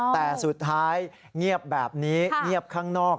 แต่สุดท้ายเงียบแบบนี้เงียบข้างนอก